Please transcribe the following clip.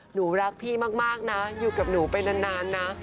หนูรักพี่มากนะอยู่กับหนูไปนานนะ